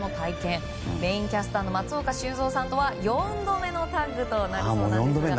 メインキャスターの松岡修造さんとは４度目のタッグとなるそうです。